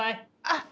あっ！